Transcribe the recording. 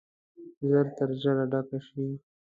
ژر تر ژره ډکه شي.